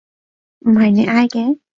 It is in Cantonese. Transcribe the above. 唔係你嗌嘅？